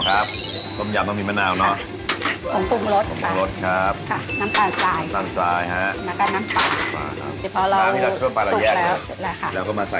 ค่ะก็ต้มยำหัวพุ่งไข่ปลาค่ะ